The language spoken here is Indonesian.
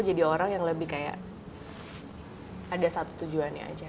jadi orang yang lebih kayak ada satu tujuannya aja